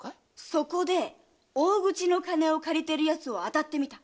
そこで大口の金を借りてる奴を当たってみた。